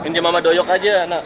ini mama doyok aja anak